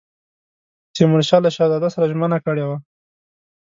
تیمورشاه له شهزاده سره ژمنه کړې وه.